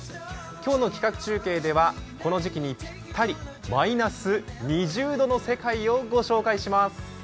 今日の企画中継ではこの時期にぴったりマイナス２０度の世界を御紹介します。